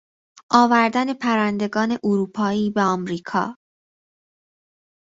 آوردن پرندگان اروپایی به امریکا